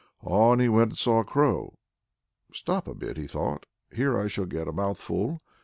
On he went and saw a crow. "Stop a bit," he thought, "here I shall get a mouthful."